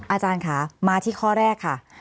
อาจารย์ค่ะมาที่ข้อแรกค่ะ